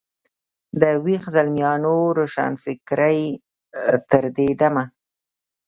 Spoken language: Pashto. د ویښ زلمیانو روښانفکرۍ تر دې دمه.